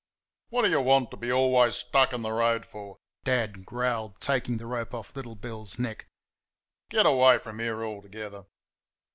"What do you want to be always stuck in the road for?" Dad growled, taking the rope off little Bill's neck. "Go away from here altogether!"